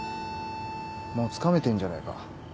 もうつかめてんじゃねえか。